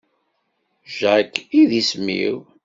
Jack i d isem-iw.